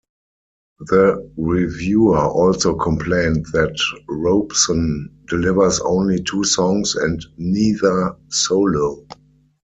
The reviewer also complained that Robeson "delivers only two songs and neither solo".